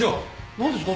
何ですか？